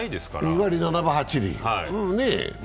２割７分８厘。